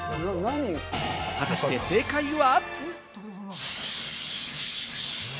果たして正解は？